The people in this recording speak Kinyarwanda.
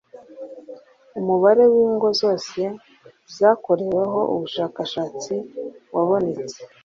Umubare w ingo zose zakoreweho ubushakashatsi wabonetse